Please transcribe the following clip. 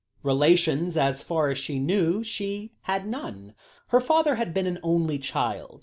Relations, as far as she knew, she had none. Her father had been an only child.